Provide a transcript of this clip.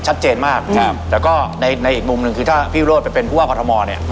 ชัดเจนมากครับแต่ก็ในในอีกมุมหนึ่งคือถ้าพี่โรธไปเป็นผู้ว่ากรทมเนี่ย